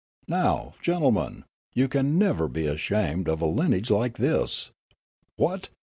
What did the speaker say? Now, gentlemen, you can never be ashamed of a lineage like this. What